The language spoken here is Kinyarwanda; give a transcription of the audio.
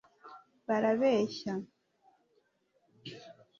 barabeshya